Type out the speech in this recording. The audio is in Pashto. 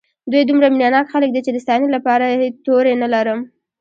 دوی دومره مینه ناک خلک دي چې د ستاینې لپاره یې توري نه لرم.